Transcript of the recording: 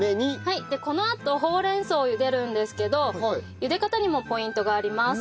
でこのあとほうれん草を茹でるんですけど茹で方にもポイントがあります。